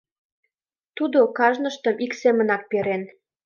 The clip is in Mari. Тудо кажныштым ик семынак перен.